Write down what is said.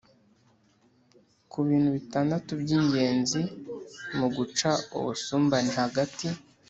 Ku bintu bitandatu by ingenzi mu guca ubusumbane hagati